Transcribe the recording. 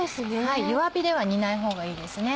弱火では煮ないほうがいいですね。